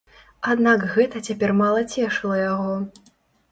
Аднак гэта цяпер мала цешыла яго.